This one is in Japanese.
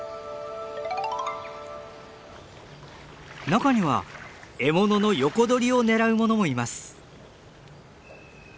中には獲物の横取りを狙うものもいます。